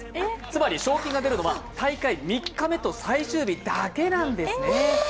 つまり賞金が出るのは大会３日目と最終日だけなんですね。